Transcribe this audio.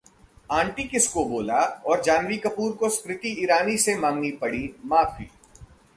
Aunty किसको बोला? और जाह्नवी कपूर को स्मृति ईरानी से मांगनी पड़ी माफी